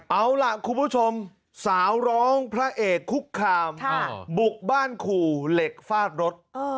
เอาล่ะคุณผู้ชมสาวร้องพระเอกคุกคามบุกบ้านขู่เหล็กฟาดรถ